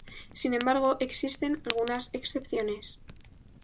Sin embargo existen algunas excepciones.